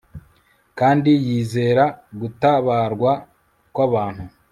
kandi yizera gutabarwa kwabantu